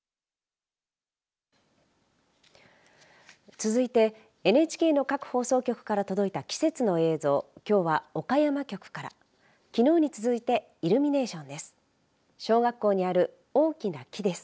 続いてＮＨＫの各放送局から届いた季節の映像きょうは、岡山局からきのうに続いてイルミネーションです。